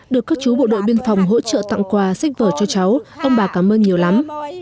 được các chú bộ đội biên phòng hỗ trợ tặng quà sách vở cho cháu ông bà cảm ơn nhiều lắm